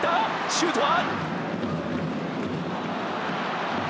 シュートは。